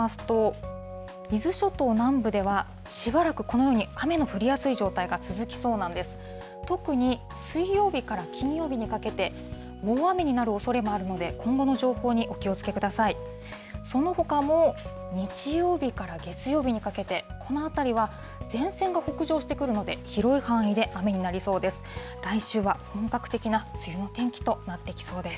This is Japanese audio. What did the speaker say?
そのほかも日曜日から月曜日にかけて、このあたりは前線が北上してくるので、広い範囲で雨になりそうです。